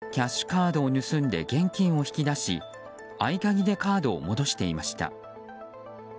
侵入する度にキャッシュカードを盗んで現金を引き出し合鍵でカードを戻していました。